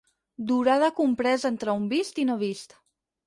Durada compresa entre un vist i no vist.